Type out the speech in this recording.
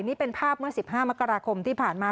นี่เป็นภาพเมื่อ๑๕มกราคมที่ผ่านมา